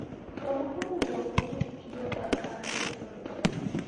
په مهمو جنګونو کې یې برخه اخیستې ده.